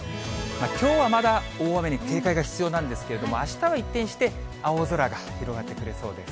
きょうはまだ大雨に警戒が必要なんですけれども、あしたは一転して、青空が広がってくれそうです。